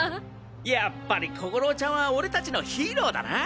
やっぱり小五郎ちゃんは俺たちのヒーローだな！